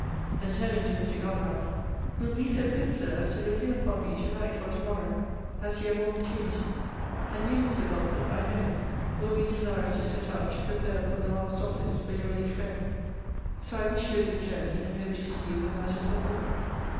Then, turning to Mr. Goddard, you'll be so good, Sir, as to look in upon me to night or to morrow, as you have opportunity: and you, Mr. Belford, I know, will be desirous to set out to prepare for the last office for your late friend: so I wish you a good journey, and hope to see you when that is performed.